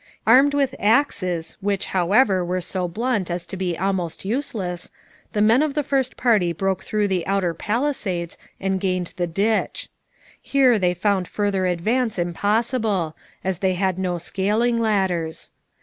Armed with axes, which, however, were so blunt as to be almost useless, the men of the first party broke through the outer palisades and gained the ditch. Here they found further advance impossible, as they had no scaling ladders.